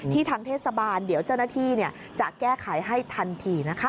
ทางเทศบาลเดี๋ยวเจ้าหน้าที่จะแก้ไขให้ทันทีนะคะ